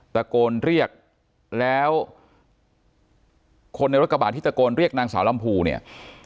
ตะโกนเรียกแล้วคนในรถกระบาดที่ตะโกนเรียกนางสาวลำพูเนี่ย